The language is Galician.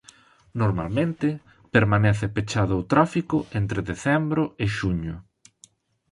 Normalmente permanece pechado ao tráfico entre decembro e xuño.